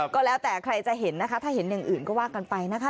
ก็แล้วแต่ใครจะเห็นนะคะถ้าเห็นอย่างอื่นก็ว่ากันไปนะคะ